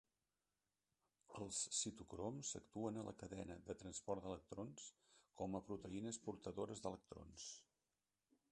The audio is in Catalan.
Els citocroms actuen a la cadena de transport d'electrons com a proteïnes portadores d'electrons.